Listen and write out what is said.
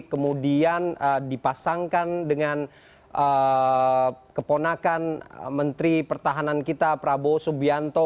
kemudian dipasangkan dengan keponakan menteri pertahanan kita prabowo subianto